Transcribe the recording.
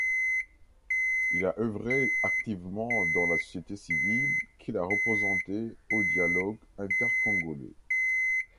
Il a œuvré activement dans la société civile qu’il a représenté au Dialogue Intercongolais.